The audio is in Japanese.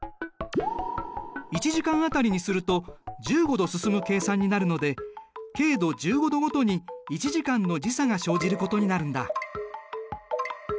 １時間当たりにすると１５度進む計算になるので経度１５度ごとに１時間の時差が生じることになるんだ。